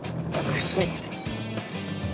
◆別にって。